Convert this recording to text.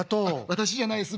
「私じゃないです